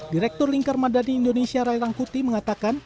direktur lingkar madani indonesia rai rangkuti mengatakan